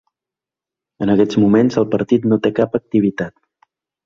En aquests moments el partit no té cap activitat.